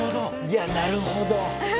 いやなるほど。